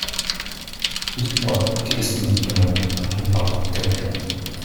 Dites-moi quel est ce médicament dont on parle tellement.